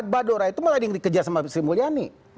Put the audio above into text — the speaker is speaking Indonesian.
badora itu malah yang dikejar oleh sri mulyani